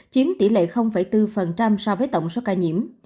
chiếm tỷ lệ bốn so với tổng số ca nhiễm